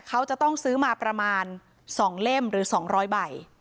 เขาจะต้องซื้อมาประมาณ๒เล่มหรือ๒๐๐ใบ